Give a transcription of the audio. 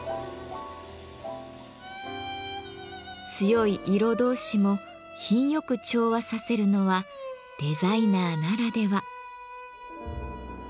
強い色同士も品よく調和させるのはデザイナーならでは。